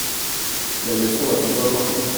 La leçon la plus importante.